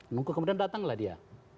nunggu kemudian datang lah dia